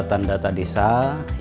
bagaimana cara membuat kesehatan maksimum